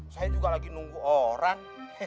saya juga lagi nunggu orang